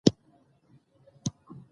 د افغاني مجاهدينو تصوير ئې مثبت ښودلے